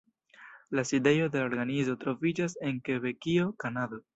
La sidejo de la organizo troviĝas en Kebekio, Kanado.